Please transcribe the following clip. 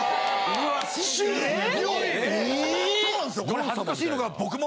これ恥ずかしいのが。